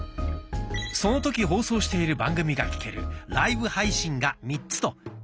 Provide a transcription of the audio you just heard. その時放送している番組が聴ける「ライブ配信」が３つと「聴き逃し配信」。